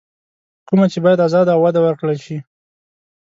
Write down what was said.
کومه چې بايد ازاده او وده ورکړل شي.